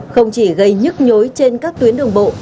không chỉ gây nhức nhối trên các tuyến đường bộ